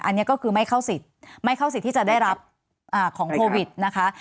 อันนี้ก็คือไม่เข้าสิทธิ์ไม่เข้าสิทธิ์ที่จะได้รับของโควิดนะคะ